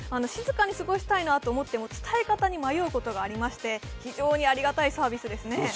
静かに過ごしたいなと思っても、伝え方に迷うことがありまして、非常にありがたいサービスですね。